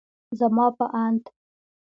زما په اند